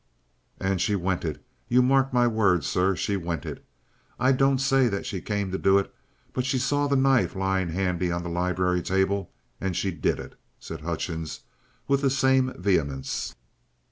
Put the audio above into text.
"And she went it. You mark my words, sir. She went it. I don't say that she came to do it. But she saw that knife lying handy on the library table and she did it," said Hutchings with the same vehemence.